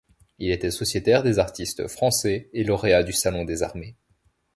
Il était sociétaire des artistes français et lauréat du Salon des armées.